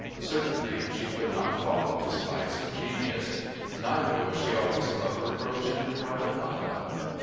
Certainly, she could not follow his flights of genius; neither was she always above reproach in her private conduct.